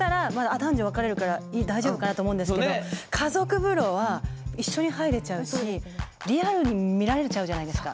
男女分かれるから大丈夫かなと思うんですけど家族風呂は一緒に入れちゃうしリアルに見られちゃうじゃないですか。